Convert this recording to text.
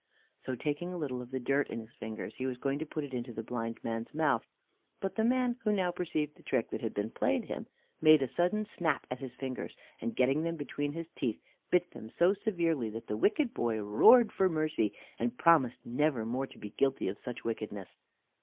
So, taking a little of the dirt in his fingers, he was going to put it into the blind man's mouth; but the man, who now perceived the trick that had been played him, made a sudden snap at his fingers, and getting them between his teeth bit them so severely that the wicked boy roared out for mercy, and promised never more to be guilty of such wickedness.